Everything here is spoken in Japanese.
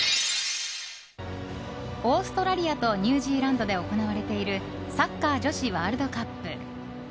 オーストラリアとニュージーランドで行われているサッカー女子ワールドカップ。